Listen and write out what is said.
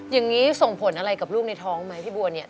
อย่างนี้ส่งผลอะไรกับลูกในท้องไหมพี่บัวเนี่ย